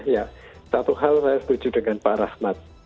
ya satu hal saya setuju dengan pak rahmat